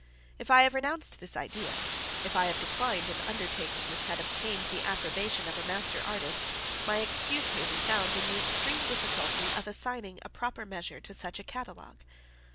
If I have renounced this idea, if I have declined an undertaking which had obtained the approbation of a master artist,4 my excuse may be found in the extreme difficulty of assigning a proper measure to such a catalogue.